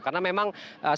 karena memang seperti ini